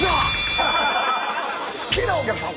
好きなお客さん